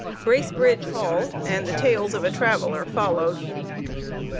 "Bracebridge Hall" and the "Tales of a Traveler" followed.